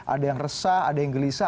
ada yang resah ada yang gelisah